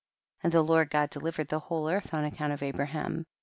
38. And the Lord God delivered the whole earth on account of Abra ham.